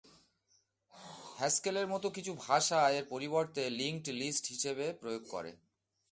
Haskell এর মত কিছু ভাষা এর পরিবর্তে লিঙ্কড লিস্ট হিসেবে প্রয়োগ করে।